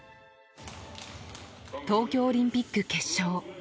東京オリンピック決勝。